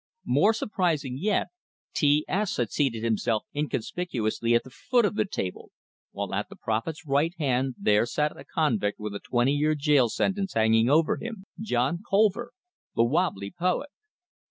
More surprising yet, T S had seated himself inconspicuously at the foot of the table, while at the prophet's right hand there sat a convict with a twenty year jail sentence hanging over him John Colver, the "wobbly" poet!